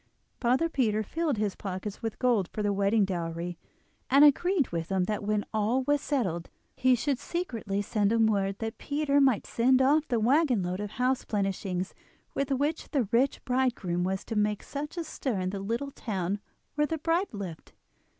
Father Peter filled his pockets with gold for the wedding dowry, and agreed with him that when all was settled he should secretly send him word that Peter might send off the waggon load of house plenishings with which the rich bridegroom was to make such a stir in the little town where the bride lived.